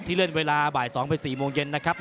เลื่อนเวลาบ่าย๒ไป๔โมงเย็นนะครับ